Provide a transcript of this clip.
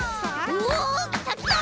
おおきたきた！